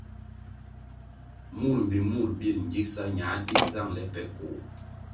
Mur mbpi mur bir gigsa ñā dig zangʼle pe koh.